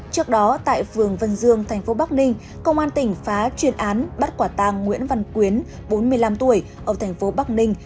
trước đó tại phường vân dương tp bắc ninh công an tỉnh phá chuyên án bắt quả tăng nguyễn văn quyến bốn mươi năm tuổi ở tp bắc ninh